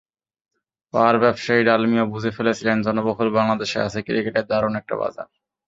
পাঁড় ব্যবসায়ী ডালমিয়া বুঝে ফেলেছিলেন জনবহুল বাংলাদেশে আছে ক্রিকেটের দারুণ একটা বাজার।